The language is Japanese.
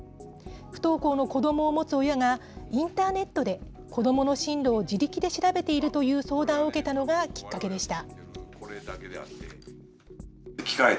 不登校の子どもを持つ親が、インターネットで子どもの進路を自力で調べているという相談を受けたのがきっかけでした。